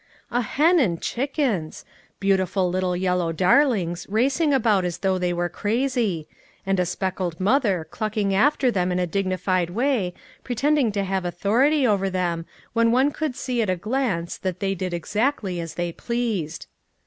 A hen and chickens ! Beautiful little yellow dar lings, racing about as though they were crazy ; and a speckled mother clucking after them in a dignified way, pretending to have authority over them, when one could see at a glance that they did exactly as they pleased.